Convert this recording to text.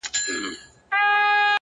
o دا ستا خبري مي د ژوند سرمايه ـ